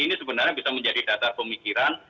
ini sebenarnya bisa menjadi dasar pemikiran